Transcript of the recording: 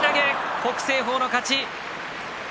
北青鵬の勝ち。